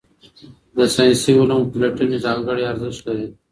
د ساینسي علومو پلټني ځانګړی ارزښت لري.